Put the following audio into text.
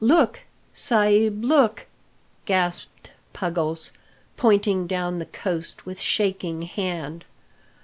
"Look, sa'b, look!" gasped Puggles, pointing down the coast with shaking hand.